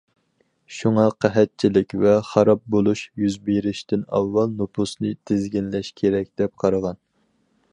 شۇڭا قەھەتچىلىك ۋە خاراب بولۇش يۈز بېرىشتىن ئاۋۋال نوپۇسنى تىزگىنلەش كېرەك، دەپ قارىغان.